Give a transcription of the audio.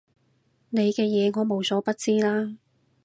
你嘅嘢我無所不知啦